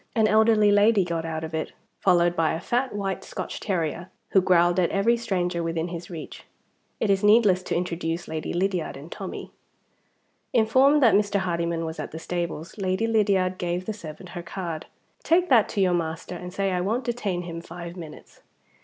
An elderly lady got out of it, followed by a fat white Scotch terrier, who growled at every stranger within his reach. It is needless to introduce Lady Lydiard and Tommie. Informed that Mr. Hardyman was at the stables, Lady Lydiard gave the servant her card. "Take that to your master, and say I won't detain him five minutes."